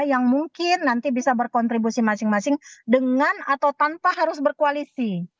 yang mungkin nanti bisa berkontribusi masing masing dengan atau tanpa harus berkoalisi